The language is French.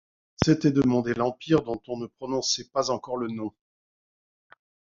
C'était demander l'Empire dont on ne prononçait pas encore le nom.